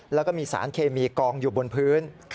แล้วก็มีสารเคมีกองอยู่บนพื้น